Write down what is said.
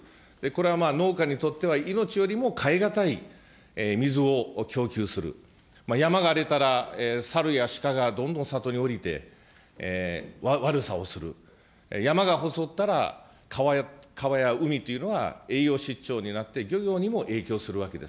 これは農家にとっては命よりも代え難い、水を供給する、山が出たら猿や鹿がどんどん里に下りて悪さをする、山が細ったら、川や海というのは栄養失調になって、漁業にも影響するわけです。